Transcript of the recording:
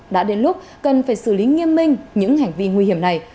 đã đến lúc cần phải xử lý nghiêm minh những hành vi nguy hiểm này